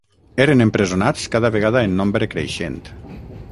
Eren empresonats cada vegada en nombre creixent